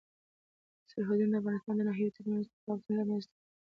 سرحدونه د افغانستان د ناحیو ترمنځ تفاوتونه رامنځ ته کوي.